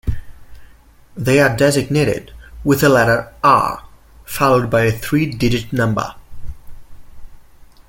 They are designated with the letter "R" followed by a three-digit number.